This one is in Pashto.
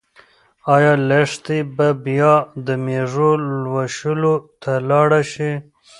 ايا لښتې به بیا د مېږو لوشلو ته لاړه شي؟